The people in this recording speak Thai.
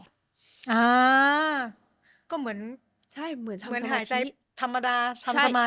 อเรนนี่อเรนนี่ก็เหมือนหายใจธรรมดาทำสมาธิ